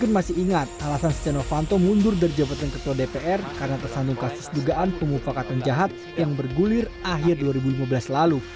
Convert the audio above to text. masih ingat alasan setia novanto mundur dari jabatan ketua dpr karena tersandung kasus dugaan pemufakatan jahat yang bergulir akhir dua ribu lima belas lalu